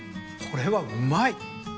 これはうまい。